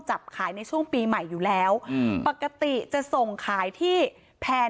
จับขายในช่วงปีใหม่อยู่แล้วอืมปกติจะส่งขายที่แพร่